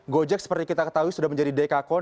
gojek seperti kita ketahui sudah menjadi dekakon